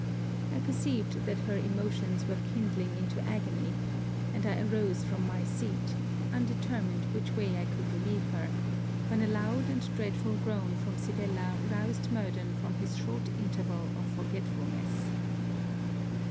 I perceived that her emotions were kindling into agony; and I arose from my seat, undetermined which way I could relieve her, when a loud and dreadful groan from Sibella roused Murden from his short interval of forgetfulness.